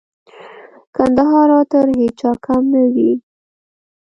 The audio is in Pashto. کندهار هم تر هيچا کم نه دئ.